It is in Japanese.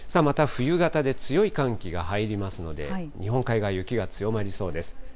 また冬型で強い寒気が入りますので、日本海側、雪が強まりそうです。